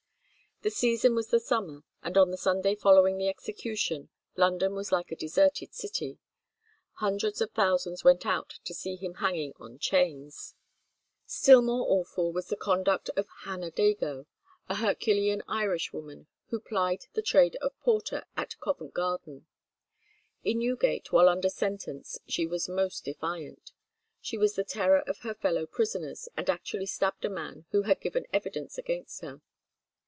The season was the summer, and on the Sunday following the execution, London was like a deserted city; hundreds of thousands went out to see him hanging in chains. Still more awful was the conduct of Hannah Dagoe, a herculean Irish woman, who plied the trade of porter at Covent Garden. In Newgate while under sentence she was most defiant. She was the terror of her fellow prisoners, and actually stabbed a man who had given evidence against her.